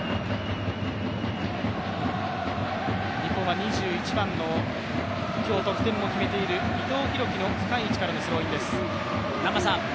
日本は２１番の、今日得点も決めている伊藤洋輝の深い位置からのスローインです。